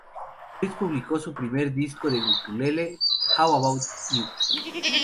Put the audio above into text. Ritz publicó su primer disco de ukelele, "How About Uke?